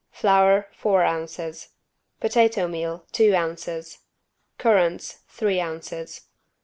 Flour, four ounces. Potato meal, two ounces. Currants, three ounces.